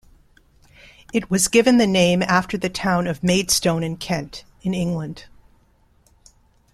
It was given the name after the town of Maidstone in Kent, in England.